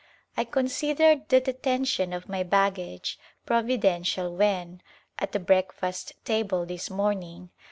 I considered the detention of my baggage providential when, at the breakfast table this morning.